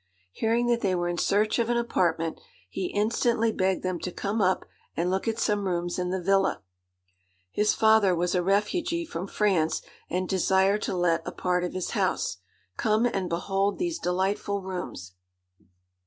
Hearing that they were in search of an apartment, he instantly begged them to come up and look at some rooms in the villa. His father was a refugee from France, and desired to let a part of his house. Come and behold these delightful rooms.